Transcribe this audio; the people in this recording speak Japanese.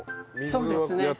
そうですね。